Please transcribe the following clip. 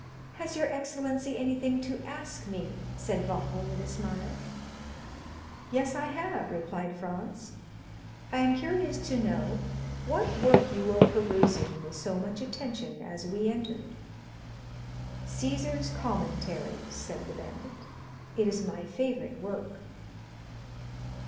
"Has your excellency anything to ask me?" said Vampa with a smile. "Yes, I have," replied Franz; "I am curious to know what work you were perusing with so much attention as we entered." "Cæsar's Commentaries," said the bandit, "it is my favorite work."